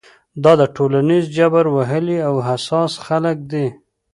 دا د ټولنیز جبر وهلي او حساس خلک دي.